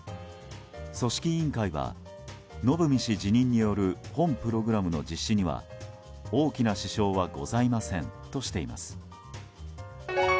組織委員会はのぶみ氏辞任による本プログラムの実施には大きな支障はございませんとしています。